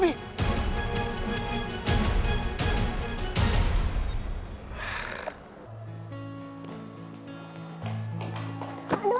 tunggu tunggu deh